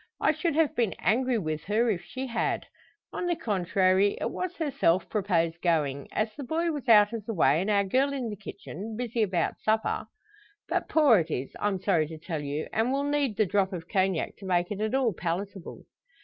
I should have been angry with her if she had. On the contrary, it was herself proposed going; as the boy was out of the way, and our girl in the kitchen, busy about supper. But poor it is I'm sorry to tell you and will need the drop of Cognac to make it at all palatable."